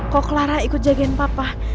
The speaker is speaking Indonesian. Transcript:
kok clara ikut jagain papa